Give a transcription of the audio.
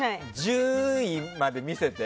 １０位まで見せて。